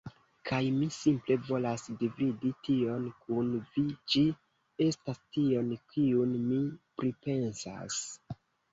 Kaj mi simple volas dividi tion kun vi ĝi estas tio kiun mi pripensas